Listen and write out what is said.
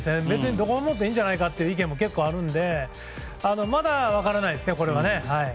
別にどこを守ってもいいじゃないかという意見も結構あるのでまだ、これは分からないですね。